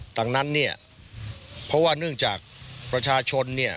ดังนั้นเนี่ยเพราะว่าเนื่องจากประชาชนเนี่ย